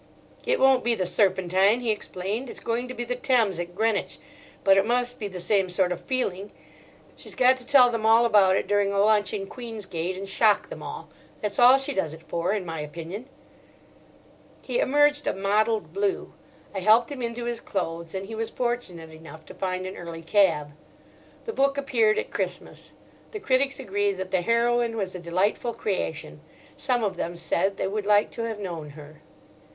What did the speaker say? "It won't be the Serpentine," he explained. "It's going to be the Thames at Greenwich. But it must be the same sort of feeling. She's got to tell them all about it during a lunch in Queen's Gate, and shock them all. That's all she does it for, in my opinion." He emerged a mottled blue. I helped him into his clothes, and he was fortunate enough to find an early cab. The book appeared at Christmas. The critics agreed that the heroine was a delightful creation. Some of them said they would like to have known her.